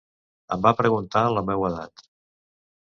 Em va preguntar la meua edat.